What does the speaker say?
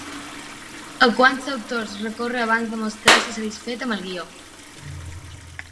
A quants autors recorre abans de mostrar-se satisfet amb el guió?